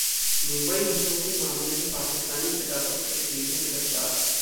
मुंबई हमलों के मामले में पाकिस्तानी पिता पुत्र इटली में गिरफ्तार